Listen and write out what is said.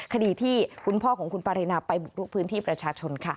คดีที่คุณพ่อของคุณปารินาไปบุกลุกพื้นที่ประชาชนค่ะ